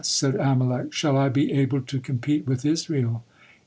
said Amalek, "Shall I be able to compete with Israel?"